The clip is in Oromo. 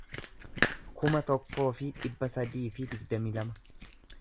kuma tokkoo fi dhibba sadii fi digdamii lama